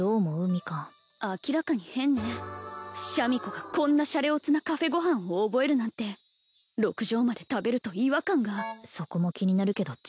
ミカン明らかに変ねシャミ子がこんなシャレオツなカフェご飯を覚えるなんて６畳間で食べると違和感がそこも気になるけど違う